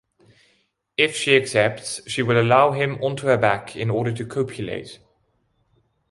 If she accepts, she will allow him onto her back in order to copulate.